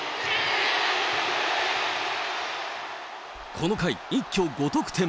この回、一挙５得点。